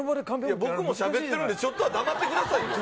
僕もしゃべってるんで、ちょっとは黙ってください。